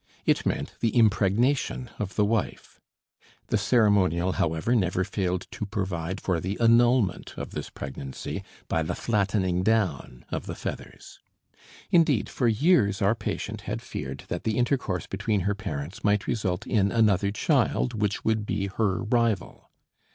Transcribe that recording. It meant the impregnation of the wife; the ceremonial, however, never failed to provide for the annulment, of this pregnancy by the flattening down of the feathers. Indeed, for years our patient had feared that the intercourse between her parents might result in another child which would be her rival.